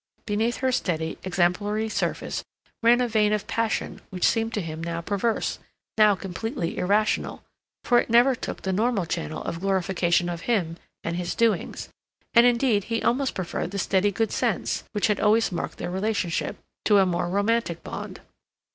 Beneath her steady, exemplary surface ran a vein of passion which seemed to him now perverse, now completely irrational, for it never took the normal channel of glorification of him and his doings; and, indeed, he almost preferred the steady good sense, which had always marked their relationship, to a more romantic bond.